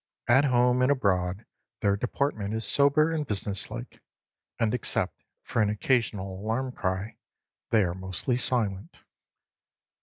At home and abroad their deportment is sober and business like, and except for an occasional alarm cry they are mostly silent.